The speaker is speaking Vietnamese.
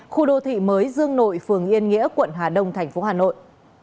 khu đô thị mới dương nội phường yên nghĩa quận hà đông thành phố hà nội